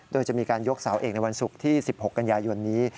โดยจะมีการยกสาวเอกในวันศุกร์ที่๑๖กันยายนนี้